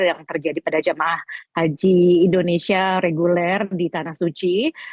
yang terjadi pada jemaah haji indonesia reguler di tanah suci